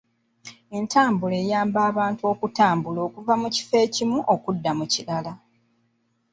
Entambula eyamba abantu okutambula okuva mu kifo ekimu okudda mu kirala.